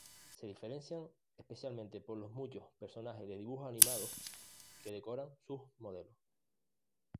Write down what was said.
Se diferencian especialmente por los muchos personajes de dibujos animados que decoran sus modelo.